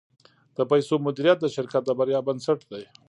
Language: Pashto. د پیسو مدیریت د شرکت د بریا بنسټ دی.